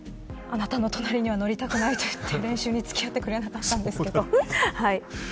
父は、あなたの隣には乗りたくないと言って練習にはつき合ってくれませんでした。